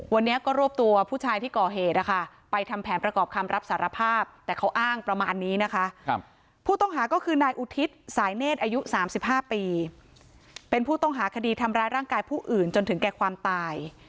วันนี้ก็รวบตัวผู้ชายที่ก่อเหตุนะคะไปทำแผนประกอบคำรับสารภาพแต่เขาอ้างประมาณนี้นะคะผู้ต้องหาก็คือนายอุทิศสายเนธอายุ๓๕ปีเป็นผู้ต้องหาคดีทำร้ายร่างกายผู้อื่นจนถึงแก่ความตาย